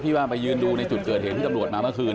ว่าไปยืนดูในจุดเกิดเหตุที่ตำรวจมาเมื่อคืน